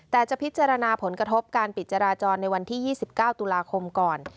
แต่จะพิจารณาผลกระทบการปิดจราจรในวันที่๒๙ตุลาคมก่อน